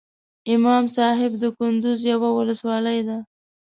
امام صاحب دکندوز یوه ولسوالۍ ده